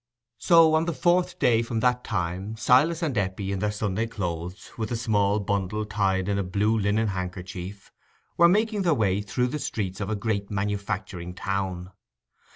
So on the fourth day from that time, Silas and Eppie, in their Sunday clothes, with a small bundle tied in a blue linen handkerchief, were making their way through the streets of a great manufacturing town.